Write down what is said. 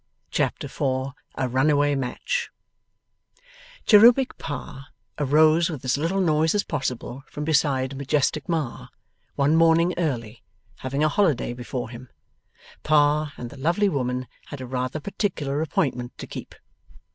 Chapter 4 A RUNAWAY MATCH Cherubic Pa arose with as little noise as possible from beside majestic Ma, one morning early, having a holiday before him. Pa and the lovely woman had a rather particular appointment to keep.